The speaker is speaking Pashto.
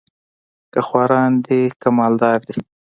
که خواران دي که مال دار دي